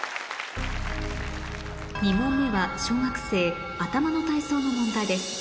２問目は小学生頭の体操の問題です